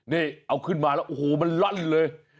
นี่เอาขึ้นมาแล้วโอ้โหมันล่อนเลย